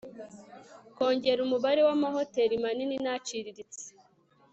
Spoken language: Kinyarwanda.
kongera umubare w'amahoteri manini n'aciriritse